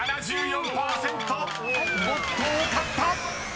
［もっと多かった！］